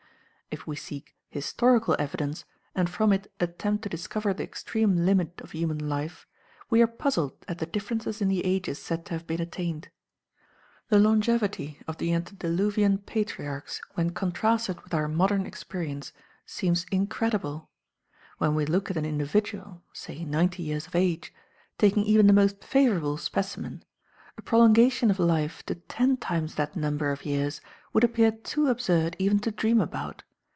If we seek historical evidence, and from it attempt to discover the extreme limit of human life, we are puzzled at the differences in the ages said to have been attained. The longevity of the antediluvian patriarchs when contrasted with our modern experience seems incredible. When we look at an individual, say ninety years of age, taking even the most favourable specimen, a prolongation of life to ten times that number of years would appear too absurd even to dream about.